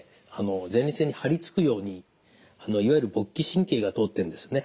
前立腺に張り付くようにいわゆる勃起神経が通ってるんですね。